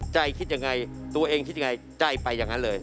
คิดยังไงตัวเองคิดยังไงใจไปอย่างนั้นเลย